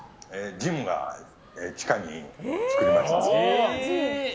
ジム、地下に作りました。